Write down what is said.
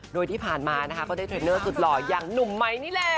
โดยที่ผ่านมานะคะก็ได้เทรนเนอร์สุดหล่ออย่างหนุ่มไมค์นี่แหละ